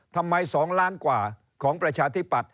ทำไม๒ล้านกว่าของประชาธิปัตย